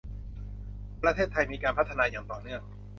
ประเทศไทยมีการพัฒนาอย่างต่อเนื่อง